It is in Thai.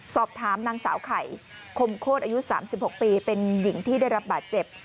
สอบถามนางสาวไข่คมโคตรอายุ๓๖ปีเป็นหญิงที่ได้รับบาดเจ็บ